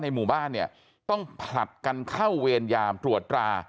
หมู่บ้านเนี่ยต้องผลัดกันเข้าเวรยามตรวจรา